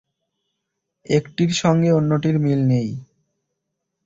একটির সঙ্গে অন্যটির মিল নেই।